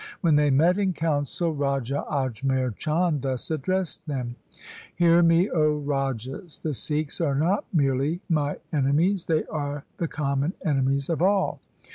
When they met in council, Raja Ajmer Chand thus addressed them :' Hear me, O rajas, the Sikhs are not merely my enemies. They are the common enemies of all.